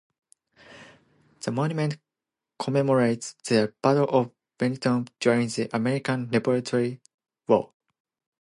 The monument commemorates the Battle of Bennington during the American Revolutionary War.